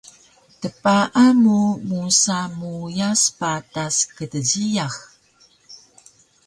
tpaan mu musa meuyas patas kdjiyax